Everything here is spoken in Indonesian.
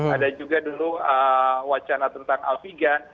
ada juga dulu wacana tentang alfigan